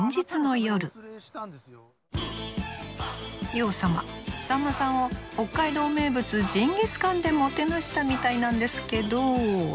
洋さまさんまさんを北海道名物ジンギスカンでもてなしたみたいなんですけど。